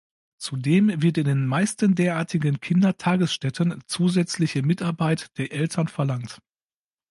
Zudem wird in den meisten derartigen Kindertagesstätten zusätzliche Mitarbeit der Eltern verlangt.